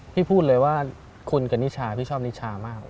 พูดเลยว่าคุณกับนิชาพี่ชอบนิชามาก